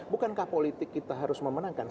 bukankah politik kita harus memenangkan